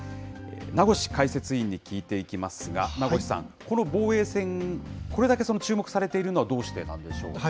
名越解説委員に聞いていきますが、名越さん、この防衛戦、これだけ注目されているのは、どうしてなんでしょうか。